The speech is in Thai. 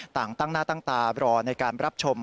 ต่างตั้งหน้าตั้งตารอในการรับชม